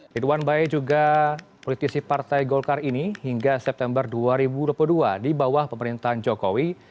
ridwan bae juga politisi partai golkar ini hingga september dua ribu dua puluh dua di bawah pemerintahan jokowi